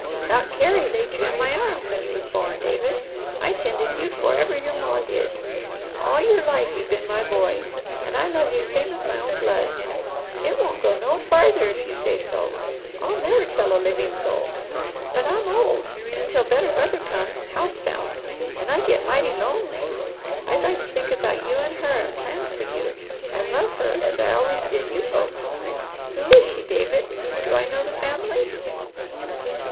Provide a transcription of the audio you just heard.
"Doc Carey laid you in my arms when you was born, David. I tended you 'fore ever your ma did. All your life you've been my boy, and I love you same as my own blood; it won't go no farther if you say so. I'll never tell a living soul. But I'm old and 'til better weather comes, house bound; and I get mighty lonely. I'd like to think about you and her, and plan for you, and love her as I always did you folks. Who is she, David? Do I know the family?"